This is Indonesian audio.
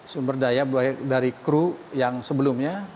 sumber daya baik dari kru yang sebelumnya